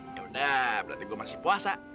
yaudah berarti gue masih puasa